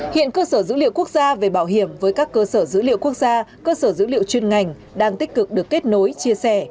hiện cơ sở dữ liệu quốc gia về bảo hiểm với các cơ sở dữ liệu quốc gia cơ sở dữ liệu chuyên ngành đang tích cực được kết nối chia sẻ